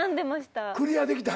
クリアできた？